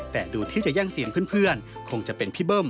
แต่ดูที่จะแย่งเสียงเพื่อนคงจะเป็นพี่เบิ้ม